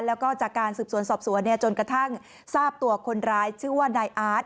แล้วก็จากการสืบสวนสอบสวนจนกระทั่งทราบตัวคนร้ายชื่อว่านายอาร์ต